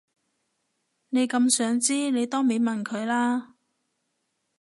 你咁想知你當面問佢啦